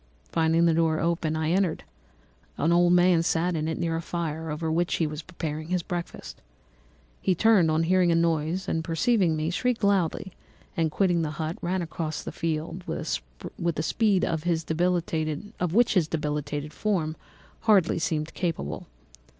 Finding the door open, I entered. An old man sat in it, near a fire, over which he was preparing his breakfast. He turned on hearing a noise, and perceiving me, shrieked loudly, and quitting the hut, ran across the fields with a speed of which his debilitated form hardly appeared capable.